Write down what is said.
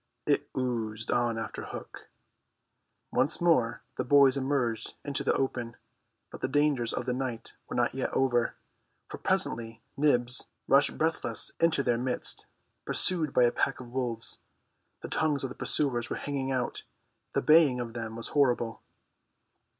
It oozed on after Hook. Once more the boys emerged into the open; but the dangers of the night were not yet over, for presently Nibs rushed breathless into their midst, pursued by a pack of wolves. The tongues of the pursuers were hanging out; the baying of them was horrible.